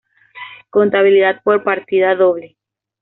Contabilidad por partida doble.